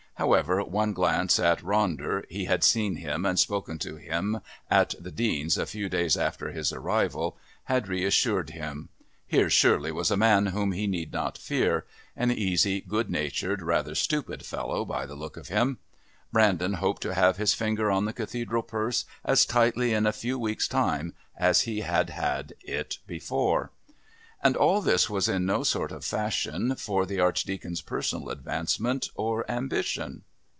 However, one glance at Ronder he had seen him and spoken to him at the Dean's a few days after his arrival had reassured him. Here, surely, was a man whom he need not fear an easy, good natured, rather stupid fellow by the look of him. Brandon hoped to have his finger on the Cathedral purse as tightly in a few weeks' time as he had had it before. And all this was in no sort of fashion for the Archdeacon's personal advancement or ambition.